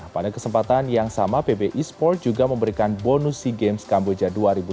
pada kesempatan yang sama pb esport juga memberikan bonus sea games kamboja dua ribu dua puluh tiga